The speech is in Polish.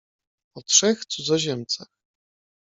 "O trzech cudzoziemcach."